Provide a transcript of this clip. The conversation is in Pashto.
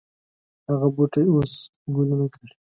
هغه بوټی اوس ګلونه کړي